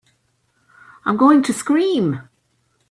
I'm going to scream!